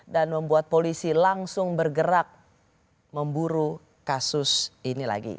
dan membuat polisi langsung bergerak memburu kasus ini lagi